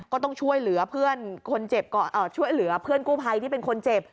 ก็ต้องช่วยเหลือเพื่อนกู้ไพที่เป็นคนเจ็บ